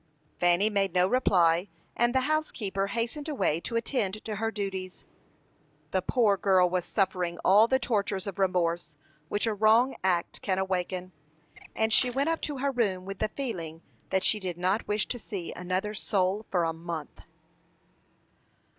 Fanny made no reply, and the housekeeper hastened away to attend to her duties. The poor girl was suffering all the tortures of remorse which a wrong act can awaken, and she went up to her room with the feeling that she did not wish to see another soul for a month.